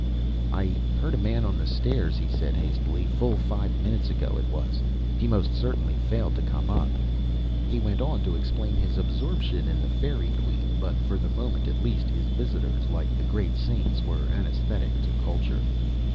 "I heard a man on the stairs," he said hastily, "full five minutes ago, it was. He most certainly failed to come up." He went on to explain his absorption in "The Faerie Queene" but, for the moment at least, his visitors, like the great saints, were anaesthetic to culture.